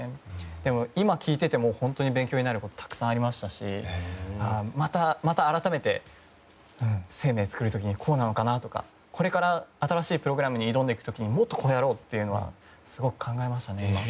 でも、今聞いてても本当に勉強になることたくさんありましたしまた改めて「ＳＥＩＭＥＩ」を作る時はこうなのかなとかこれから新しいプログラムに挑んでいく時にもっとこれやろうというのはすごく考えましたね。